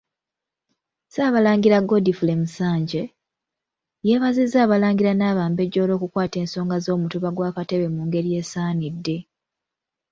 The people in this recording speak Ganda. Ssaabalangira Godfrey Musanje, yeebazizza Abalangira n'Abambejja olw'okukwata ensonga z'omutuba gwa Katebe mu ngeri esaanidde.